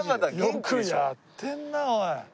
よくやってんなおい。